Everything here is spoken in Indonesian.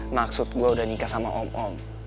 maksud gue udah nikah sama om om